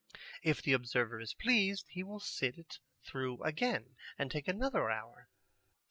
If the observer is pleased, he will sit it through again and take another hour.